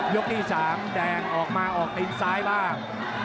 ที่๓แดงออกมาออกตีนซ้ายบ้าง